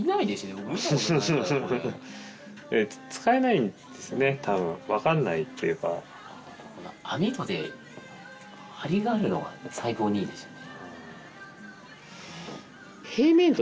僕見たことないからこれ多分分かんないっていうか網戸で張りがあるのが最高にいいですよね